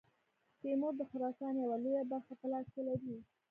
تیمور د خراسان یوه لویه برخه په لاس کې لري.